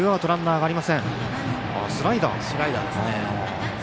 スライダーですね。